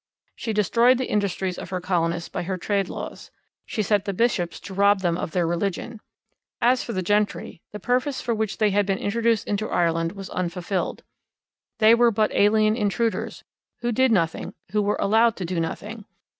She destroyed the industries of her colonists by her trade laws. She set the Bishops to rob them of their religion. ... [As for the gentry,] The purpose for which they had been introduced into Ireland was unfulfilled. They were but alien intruders, who did nothing, who were allowed to do nothing.